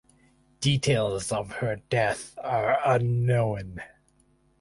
Details of her death are unknown.